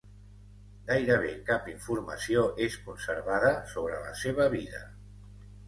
Gairebé cap informació és conservada sobre la seva vida.